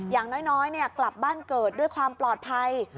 อย่างน้อยกลับบ้านเกิดด้วยความปลอดภัย